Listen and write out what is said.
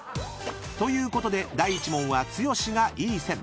［ということで第１問は剛がいいセン］